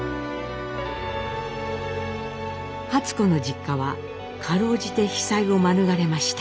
初子の実家はかろうじて被災を免れました。